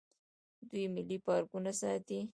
دوی ملي پارکونه ساتي.